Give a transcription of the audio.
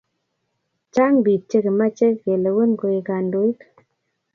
chang pik che kimache ke lewen koik kandoik